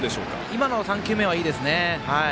今の３球目はいいですね。